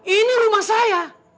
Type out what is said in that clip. ini rumah saya